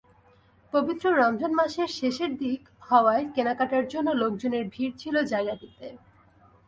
পবিত্র রমজান মাসের শেষের দিক হওয়ায় কেনাকাটার জন্য লোকজনের ভিড় ছিল জায়গাটিতে।